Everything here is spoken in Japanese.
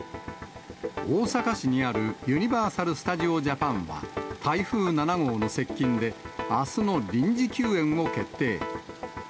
大阪市にあるユニバーサル・スタジオ・ジャパンは、台風７号の接近で、あすの臨時休園を決定。